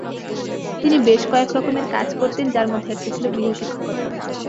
তিনি বেশ কয়েকরকমের কাজ করতেন যার মধ্যে একটি ছিল গৃহশিক্ষকতা।